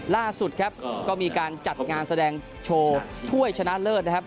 ล่าสุดครับก็มีการจัดงานแสดงโชว์ถ้วยชนะเลิศนะครับ